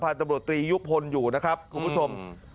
ตำรวจตรียุพลอยู่นะครับคุณผู้ชม